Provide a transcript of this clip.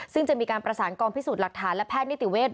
ซึ่งจะมีการประสานกองพิสูจน์หลักฐานและแพทย์นิติเวศ